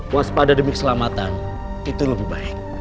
waspada demi keselamatan itu lebih baik